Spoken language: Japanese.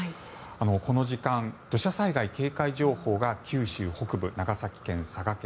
この時間、土砂災害警戒情報が九州北部、長崎県、佐賀県